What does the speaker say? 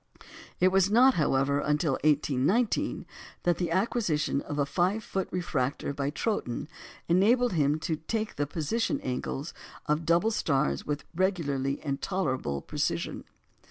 It was not, however, until 1819 that the acquisition of a 5 foot refractor by Troughton enabled him to take the position angles of double stars with regularity and tolerable precision.